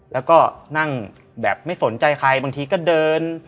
แล้วก็นั่งแบบไม่สนใจใครบางทีก็เดิน